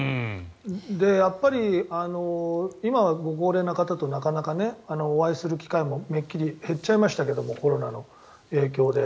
やっぱり今はご高齢な方となかなかお会いする機会もめっきり減っちゃいましたがコロナの影響で。